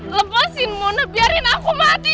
lepasin muna biarin aku mati